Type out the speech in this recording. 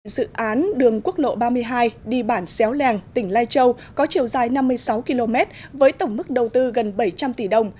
dự án đường quốc lộ ba mươi hai đi bản xéo lèng tỉnh lai châu có chiều dài năm mươi sáu km với tổng mức đầu tư gần bảy trăm linh tỷ đồng